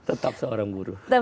tetap seorang buruh